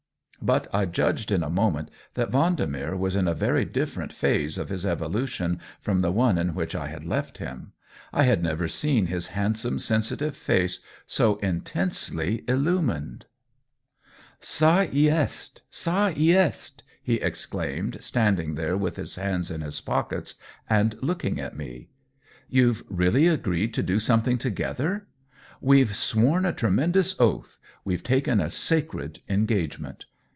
But I judged in a moment that Vendemer was in a very different phase of his evolution from the one in which I had left him. I had never seen his hand some, sensitive face so intensely illumined. " Qa y est ^fa y est /" he exclaimed, stand ing there with his hands in his pockets and looking at me. "You've really agreed to do something together ?"" We've sworn a tremendous oath — we've taken a sacred engagement."